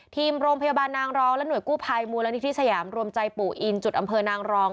ทีมโรงพยาบาลนางรองและหน่วยกู้ภัยมูลนิธิสยามรวมใจปู่อินจุดอำเภอนางรอง